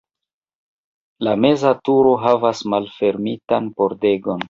La meza turo havas malfermitan pordegon.